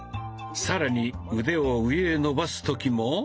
更に腕を上へ伸ばす時も。